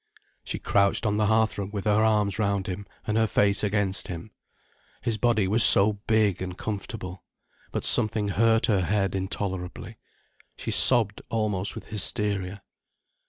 She crouched on the hearthrug with her arms round him and her face against him. His body was so big and comfortable. But something hurt her head intolerably. She sobbed almost with hysteria.